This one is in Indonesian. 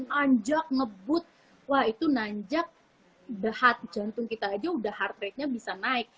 nanjak ngebut wah itu nanjak dehat jantung kita aja udah heart ratenya bisa naik